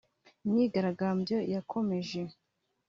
imyigaragambyo yakomeje